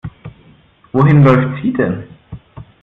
Wohin läuft sie denn?